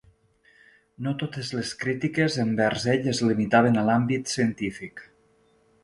No totes les crítiques envers ell es limitaven a l'àmbit científic.